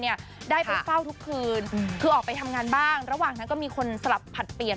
ได้รับที่เผาทุกคืนก็ออกไปทำงานบ้างละหว่างมีคนสลับผัดเปลี่ยน